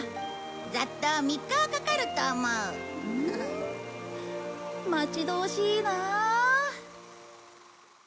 ざっと３日はかかると思う。待ち遠しいな。